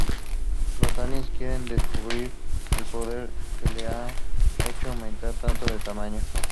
Los aliens quieren descubrir el poder que la ha hecho aumentar tanto de tamaño.